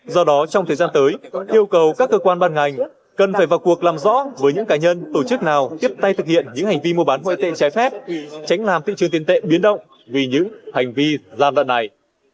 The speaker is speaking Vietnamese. do đó trong thời gian tới yêu cầu các cơ quan bàn ngành cần phải vào cuộc làm rõ với những cá nhân tổ chức nào tiếp tay thực hiện những hành vi mua bán ngoại tệ trái phép tránh làm thị trường tiền tệ biến động vì những hành vi gian đoạn này